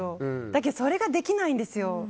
だけどそれができないんですよ。